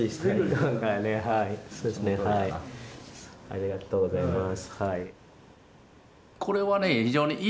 ありがとうございます。